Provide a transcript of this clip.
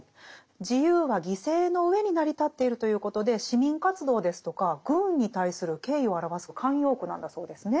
自由は犠牲の上に成り立っているということで市民活動ですとか軍に対する敬意を表す慣用句なんだそうですね。